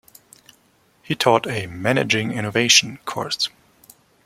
He taught a "Managing Innovation" course.